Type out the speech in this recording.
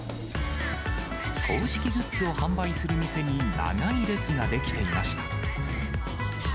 公式グッズを販売する店に長い列が出来ていました。